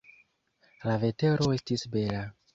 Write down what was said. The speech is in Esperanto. La vetero estis bela.